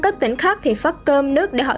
các tỉnh khác thì phát cơm nước để họ